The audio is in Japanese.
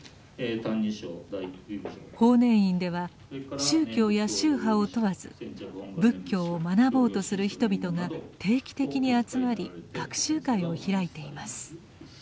法然院では宗教や宗派を問わず仏教を学ぼうとする人々が定期的に集まり学習会を開いています。